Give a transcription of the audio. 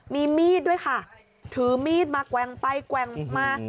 มีมีดด้วยค่ะถือมีดมาแกว่งไปแกว่งมา